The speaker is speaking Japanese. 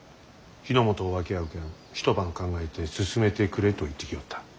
日本を分け合う件一晩考えて進めてくれと言ってきおった。